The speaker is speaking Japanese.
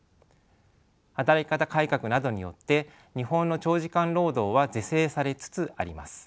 働き方改革などによって日本の長時間労働は是正されつつあります。